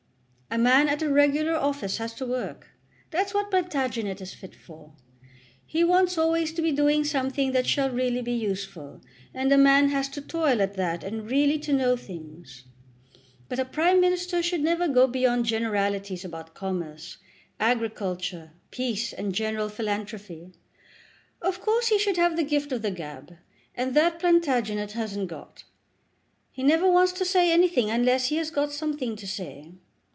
A man at a regular office has to work. That's what Plantagenet is fit for. He wants always to be doing something that shall be really useful, and a man has to toil at that and really to know things. But a Prime Minister should never go beyond generalities about commerce, agriculture, peace, and general philanthropy. Of course he should have the gift of the gab, and that Plantagenet hasn't got. He never wants to say anything unless he has got something to say.